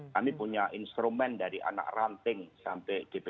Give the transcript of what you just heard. kami punya instrumen dari anak ranting sampai gp